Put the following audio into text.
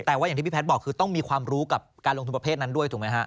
แต่ว่าอย่างที่พี่แพทย์บอกคือต้องมีความรู้กับการลงทุนประเภทนั้นด้วยถูกไหมฮะ